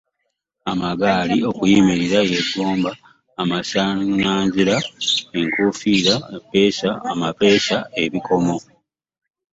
Amagaali okuyimirira yeegomba amasannanzira enkuufiira eppeesa amapeesa ebikomo.